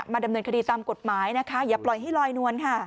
ดำเนินคดีตามกฎหมายนะคะอย่าปล่อยให้ลอยนวลค่ะ